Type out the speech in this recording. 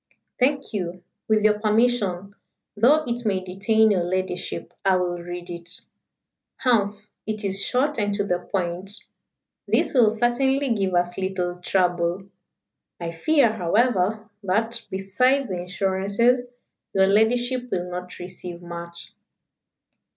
"Thank you. With your permission though it may detain your ladyship I will read it. Humph! it is short and to the point. This will certainly give us little trouble. I fear, however, that, besides the insurances, your ladyship will not receive much."